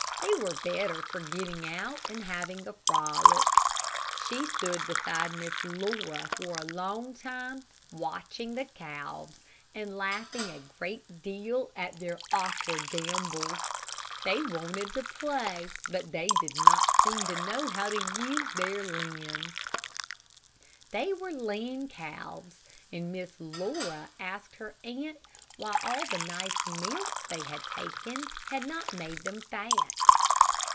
They were better for getting out and having a frolic. She stood beside Miss Laura for a long time, watching the calves, and laughing a great deal at their awkward gambols. They wanted to play, but they did not seem to know how to use their limbs. They were lean calves, and Miss Laura asked her aunt why all the nice milk they had taken had not made them fat.